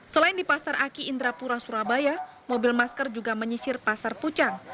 selain di pasar aki indrapura surabaya mobil masker juga menyisir pasar pucang